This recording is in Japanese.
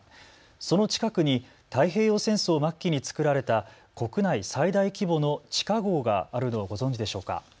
その近くに太平洋戦争末期に作られた国内最大規模の地下ごうがあるのをご存じでしょうか。